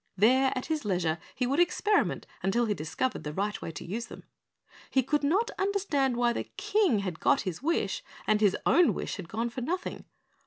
There at his leisure he would experiment until he discovered the right way to use them. He could not understand why the King had got his wish and his own wish had gone for nothing.